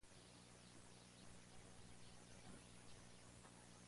Estos iones forman sales que se secan en la superficie.